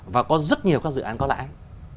và có rất nhiều các dự án có lãi